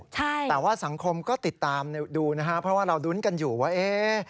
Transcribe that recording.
แต่ว่าสังคมก็ติดตามดูนะฮะเพราะว่าเรารุ้นกันอยู่ว่าเอ๊ะ